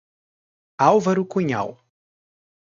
Álvaro Cunhal